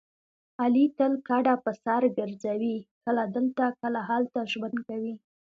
علي تل کډه په سر ګرځوي کله دلته کله هلته ژوند کوي.